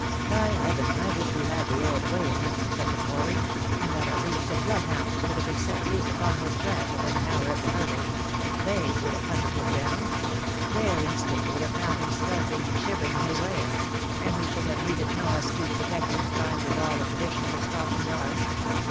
By heaven, I wish we had the old way of hunting such a quarry — and that a leash of bloodhounds could have been set loose upon his track within an hour of the murder. They would have hunted him down — their instinct would have found him skulking and shivering in his lair; and we should have needed no astute detective primed with all the traditions of Scotland Yard.